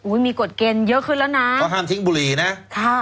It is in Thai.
มีกฎเกณฑ์เยอะขึ้นแล้วนะก็ห้ามทิ้งบุหรี่นะค่ะ